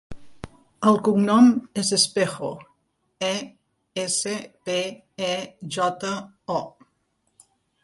El cognom és Espejo: e, essa, pe, e, jota, o.